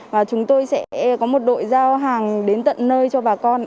và chúng tôi sẽ có một đội giao hàng đến tận nơi cho bà con